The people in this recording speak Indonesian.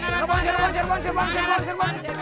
pangandaran pangandaran pangandaran